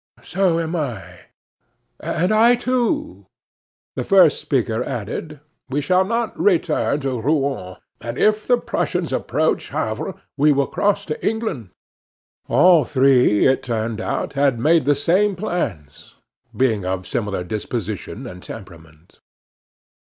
"So am I." "And I, too." The first speaker added: "We shall not return to Rouen, and if the Prussians approach Havre we will cross to England." All three, it turned out, had made the same plans, being of similar disposition and temperament.